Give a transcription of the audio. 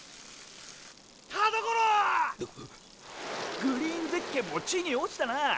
グリーンゼッケンも地に落ちたな！